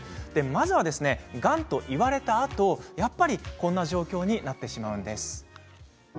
まずは、がんと言われたあとやっぱりこんな状況になってしまうんです。